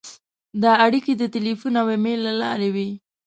دا اړیکې د تیلفون او ایمېل له لارې وې.